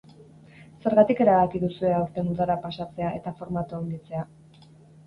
Zergatik erabaki duzue aurten udara pasatzea eta formatua handitzea?